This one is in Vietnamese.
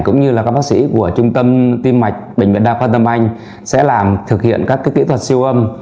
cũng như là các bác sĩ của trung tâm tim mạch bệnh viện đa khoa tâm anh sẽ làm thực hiện các kỹ thuật siêu âm